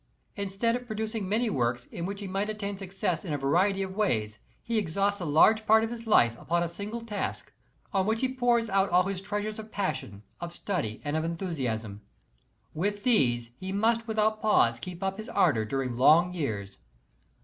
Instead of produc ing many works in which he may attain success in a variety bf ways, he exhausts a large part of his life upon a single task, on which he pours out all his treasures of passion, of study and of enthusiasm. With these he must without pause keep up his ardor during long years.